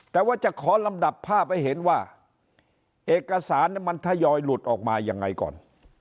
แต่ว่าจะขอลำดับภาพให้เห็นว่าเอกสารมันทยอยหลุดออกมายังไงก่อน